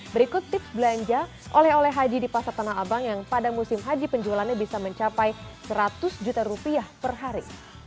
berikut tips belanja oleh oleh haji di pasar tanah abang yang pada musim haji penjualannya bisa mencapai seratus juta rupiah per hari